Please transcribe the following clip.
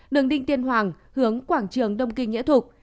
đường đinh tiên hoàng hướng quảng trường đông kinh nghĩa thục